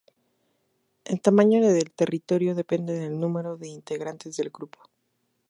El tamaño del territorio depende del número de integrantes del grupo.